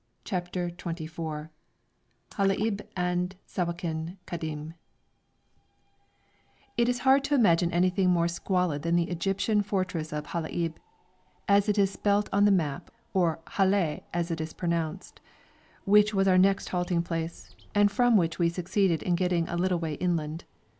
CHAPTER XXIV HALAIB AND SAWAKIN KADIM It is hard to imagine anything more squalid than the Egyptian fortress of Halaib, as it is spelt on the map, or Halei as it is pronounced, which was our next halting place, and from which we succeeded in getting a little way inland.